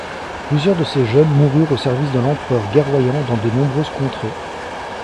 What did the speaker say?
Plusieurs de ces jeunes moururent au service de l'Empereur guerroyant dans de nombreuses contrées.